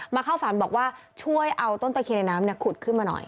เข้าฝันบอกว่าช่วยเอาต้นตะเคียนในน้ำขุดขึ้นมาหน่อย